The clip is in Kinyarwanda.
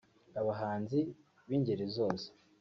Abahanzi b’ingeri zose